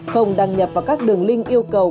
không đăng nhập vào các đường link yêu cầu